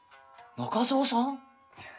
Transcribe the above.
中蔵さん？